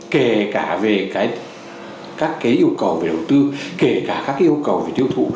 kể cả về các yêu cầu về đầu tư kể cả các yêu cầu về tiêu thụ